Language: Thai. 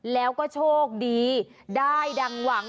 แล้วก็โชคดีได้ดังหวัง